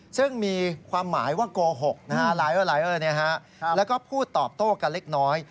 ซึ่งมีความหมายว่าโกหกหลายและพูดตอบโต้กันเล็กน้อย